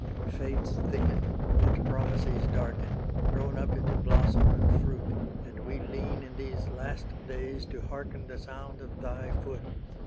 Fates thicken, and prophecies darken, Grown up into blossom and fruit; And we lean in these last days to hearken The sound of Thy foot.